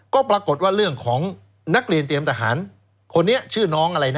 ก็ปรากฏว่าเรื่องของนักเรียนเตรียมทหารคนนี้ชื่อน้องอะไรนะ